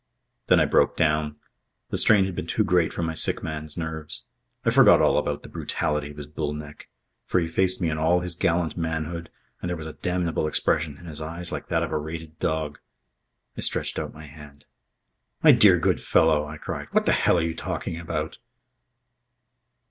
Then I broke down. The strain had been too great for my sick man's nerves. I forgot all about the brutality of his bull neck, for he faced me in all his gallant manhood and there was a damnable expression in his eyes like that of a rated dog. I stretched out my hand. "My dear good fellow," I cried, "what the hell are you talking about?"